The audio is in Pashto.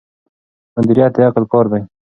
مدیریت د عقل کار دی.